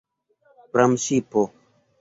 Pramŝipo!